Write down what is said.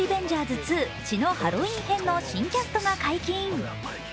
２血のハロウィン編」の新キャストが解禁。